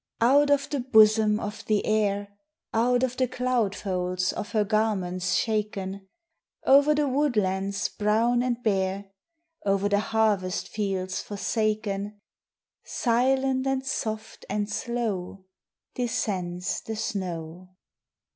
Out of the bosom of the Air, Out of the cloud folds of her garments shaken, Over the woodlands brown and bare, Over the harvest fields forsaken, Silent and soft and slow Descends the snow.